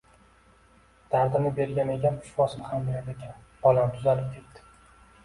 Dardini bergan Egam shifosini ham berar ekan, bolam tuzalib ketdi